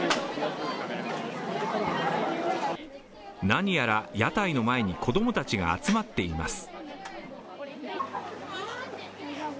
何やら屋台の前に子供たちが集まっています。